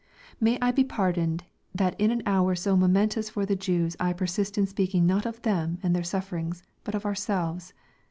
May I be pardoned that in an hour so momentous for the Jews I persist in speaking not of them and their sufferings, but of ourselves.